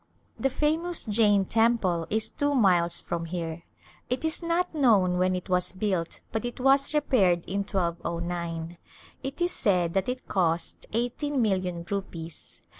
The famous Jain Temple is two miles from here. It is not known when it was built but it was repaired in 1209 ; it is said that it cost eighteen mil lion rupees.